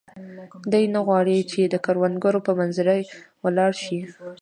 دی نه غواړي چې د کروندګرو په منظره ولاړ شي.